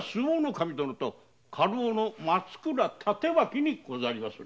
守殿と家老の松倉帯刀にござりまする。